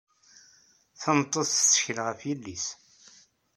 Tameṭṭut tettkel ɣef yelli-s.